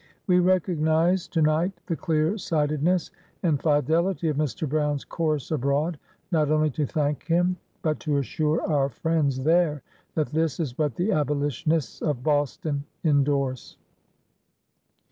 We recognise, to night, the clear sightedness and fidelity of Mr. Brown's course abroad, not only to thank him, but to assure our friends there that this is what the Abolitionists of Boston endorse."